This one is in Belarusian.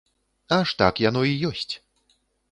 Аж так яно і ёсць.